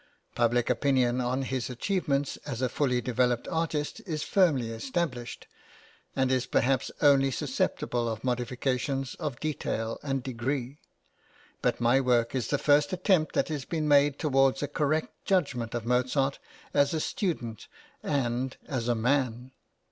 Public opinion on his achievements as a fully developed artist is firmly established, and is perhaps only susceptible of modifications of detail and degree; but my work is the first attempt that has been made towards a correct judgment of Mozart as a student and as a man.